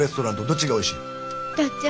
どっちもおいしい。